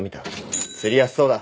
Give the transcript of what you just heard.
釣りやすそうだ。